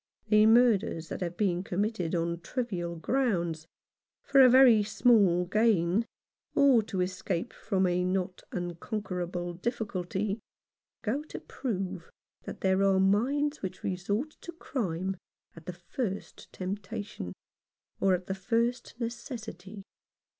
The murders that have been committed on trivial grounds, for a very small gain, or to escape from a not unconquerable difficulty, go to prove that there are minds which resort to crime at the first temptation, or at the first necessity.